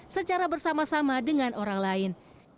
secara bersama sama dengan orang lain